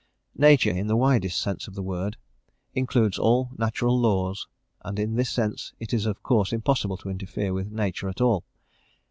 Nature, in the widest sense of the word, includes all natural laws: and in this sense it is of course impossible to interfere with nature at all.